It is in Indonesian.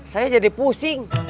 saya jadi pusing